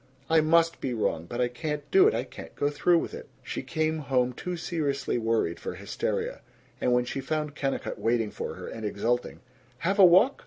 I must be wrong. But I can't do it. I can't go through with it." She came home too seriously worried for hysteria; and when she found Kennicott waiting for her, and exulting, "Have a walk?